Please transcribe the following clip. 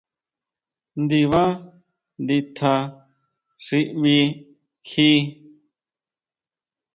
Ndibá nditja xi nbí kji.